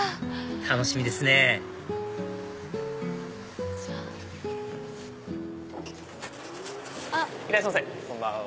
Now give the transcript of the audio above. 楽しみですねいらっしゃいませこんばんは。